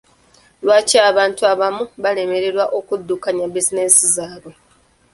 Lwaki bantu abamu balemererwa okudddukanya bizinensi zaabwe?